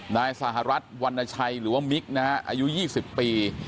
นายสหรัฐวรรณชัยหรือว่ามิกนะฮะอายุ๒๐ปี